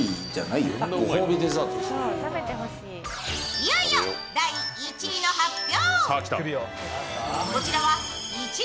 いよいよ第１位の発表。